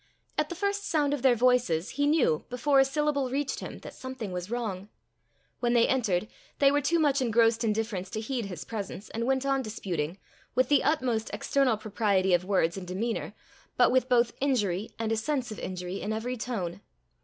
At the first sound of their voices, he knew, before a syllable reached him, that something was wrong. When they entered, they were too much engrossed in difference to heed his presence, and went on disputing with the utmost external propriety of words and demeanour, but with both injury and a sense of injury in every tone.